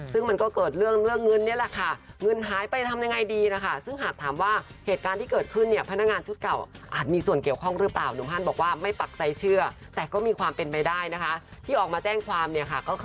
ซึ่งมันเกิดเรื่องเรื่องเงินนี่แหละค่ะ